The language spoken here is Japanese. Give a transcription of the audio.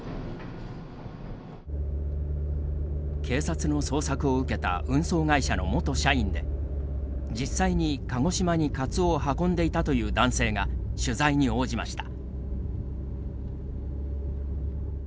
警察の捜索を受けた運送会社の元社員で実際に鹿児島にカツオを運んでいたという男性が取材に応じました。